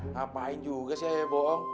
ngapain juga sih ayah bohong